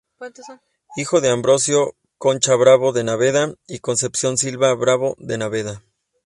Hijo de Ambrosio Concha Bravo de Naveda y Concepción Silva Bravo de Naveda.